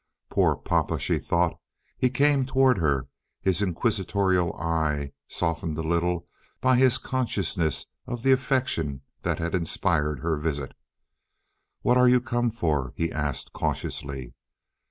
"Poor papa!" she thought. He came toward her, his inquisitorial eye softened a little by his consciousness of the affection that had inspired her visit. "What are you come for?" he asked cautiously.